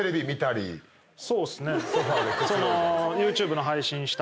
そうっすね。